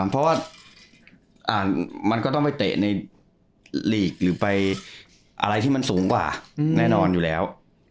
เพราะว่ามันก็ต้องไปเตะในลีกหรือไปอะไรที่มันสูงกว่าแน่นอนอยู่แล้ว